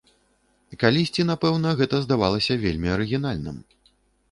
Калісьці, напэўна, гэта здавалася вельмі арыгінальным.